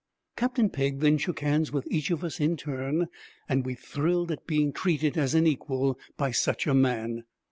Captain Pegg then shook hands with each of us in turn, and we thrilled at being treated as an equal by such a man.